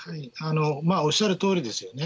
おっしゃるとおりですよね。